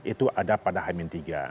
itu ada pada hamin tiga